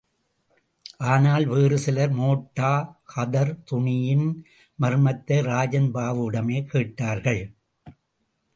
ஆனால், வேறு சிலர், மோட்டா கதர் துணியின் மர்மத்தை ராஜன் பாபுவிடமே கேட்டார்கள்.